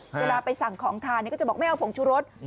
เวลาไปสั่งของทานก็จะบอกไม่เอาผงชุรส